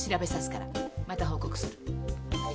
また報告する。